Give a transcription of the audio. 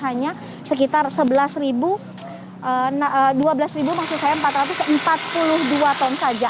hanya sekitar dua belas maksud saya empat ratus empat puluh dua ton saja